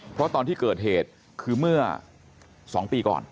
เพราะตอนที่เกิดเหตุคือเมื่อ๒ปีก่อน